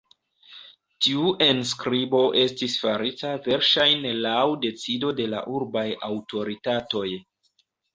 Tiu enskribo estis farita verŝajne laŭ decido de la urbaj aŭtoritatoj.